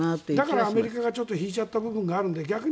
だからアメリカが引いちゃった部分があるので。